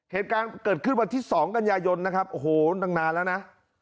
เหตุการณ์เกิดขึ้นวันที่๒กันยายนนะครับโอ้โหตั้งนานแล้วนะ